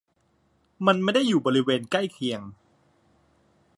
มันไม่ได้อยู่ในบริเวณใกล้เคียง